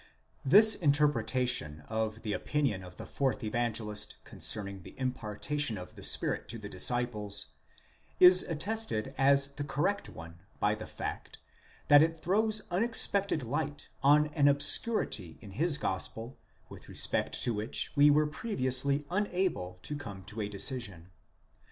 This interpretation of the opinion of the fourth Evangelist concerning the impartation of the Spirit to the disciples, is attested as the correct one by the fact, that it throws unexpected light on an obscurity in his gospel with respect to which we were previously unable to come to a decision.